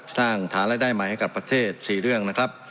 สร้างฐานรายได้ใหม่ให้กับประเทศ๔เรื่องนะครับ